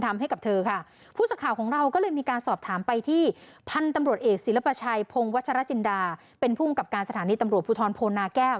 รอเขาเรียนไปที่พุมศาอาจารย์